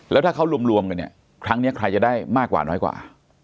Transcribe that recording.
แล้วถ้าเขารวมกันเนี่ยครั้งนี้ใครจะได้มากกว่าน้อยกว่า